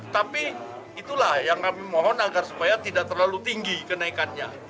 tapi itulah yang kami mohon agar supaya tidak terlalu tinggi kenaikannya